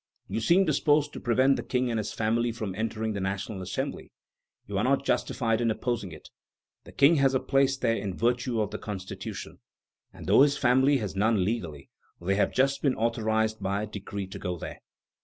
You seem disposed to prevent the King and his family from entering the National Assembly; you are not justified in opposing it. The King has a place there in virtue of the Constitution; and though his family has none legally, they have just been authorized by a decree to go there.